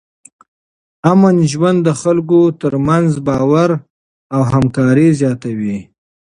امن ژوند د خلکو ترمنځ باور او همکاري زیاتوي.